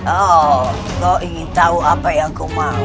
oh kau ingin tahu apa yang kau mau